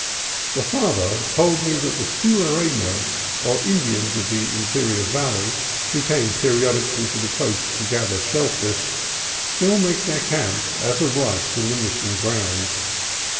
The Father told me that the Tularenos, or Indians of the interior valley, who come periodically to the coast to gather shell fish, still make their camp as of right in the Mission grounds.